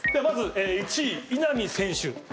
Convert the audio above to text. まず１位稲見選手。